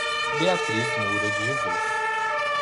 Beatriz Moura de Jesus